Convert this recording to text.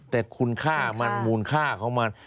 แต่คุณค่ามันมูลค่าของมัน